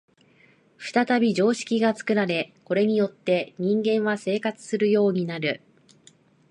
再び常識が作られ、これによって人間は生活するようになる。